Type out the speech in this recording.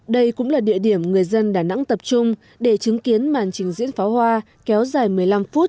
đây cũng là địa điểm người dân đà nẵng tập trung để chứng kiến màn trình diễn pháo hoa kéo dài một mươi năm phút